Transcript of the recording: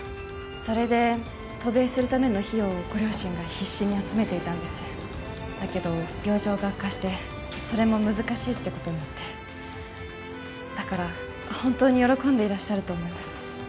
それで渡米するための費用をご両親が必死に集めていたんですだけど病状が悪化してそれも難しいってことになってだから本当に喜んでいらっしゃると思うんです